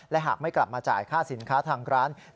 และหากไม่กลับมาจ่ายค่าสินค้าทางร้าน